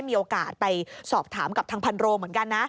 มีโอกาสไปสอบถามกับทางพันโรเหมือนกันนะ